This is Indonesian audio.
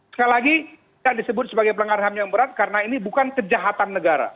sekali lagi tidak disebut sebagai pelanggaran ham yang berat karena ini bukan kejahatan negara